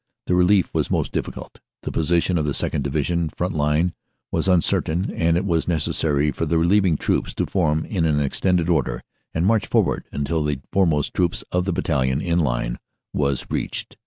The relief was most difficult. The position of the 2nd. Division front line was uncertain and it was necessary for the relieving troops to form up in extended order and march forward until the foremost troops of the battalion in line was reached.